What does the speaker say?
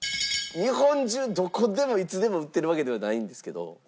日本中どこでもいつでも売ってるわけではないんですけど。